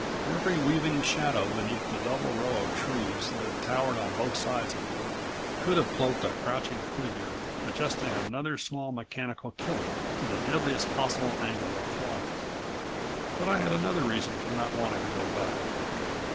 Every weaving shadow beneath the double row of trees that towered on both sides of me could have cloaked a crouching figure adjusting another small mechanical killer to the deadliest possible angle of flight. But I had another reason for not wanting to go back.